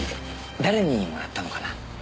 誰にもらったのかな？